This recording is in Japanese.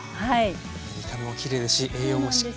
見た目もきれいですし栄養もしっかりとれそうです。